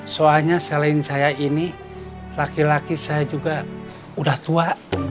soalnya selain saya ini laki laki saya juga udah tua